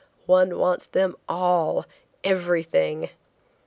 One wants them all–everything.